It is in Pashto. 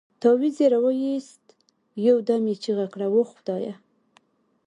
تاويز يې راوايست يو دم يې چيغه کړه وه خدايه.